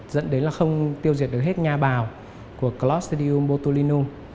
dẫn đến là không tiêu diệt được hết nha bào của classedum botulinum